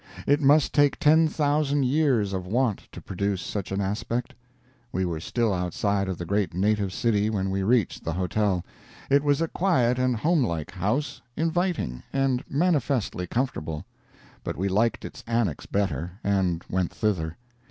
It must take ten thousand years of want to produce such an aspect. We were still outside of the great native city when we reached the hotel. It was a quiet and homelike house, inviting, and manifestly comfortable. But we liked its annex better, and went thither.